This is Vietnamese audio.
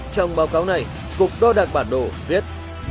trong báo cáo này cục đo đạc bản đồ viết